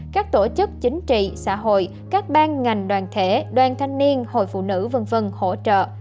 các tổ chức chính trị xã hội các ban ngành đoàn thể đoàn thanh niên hội phụ nữ v v hỗ trợ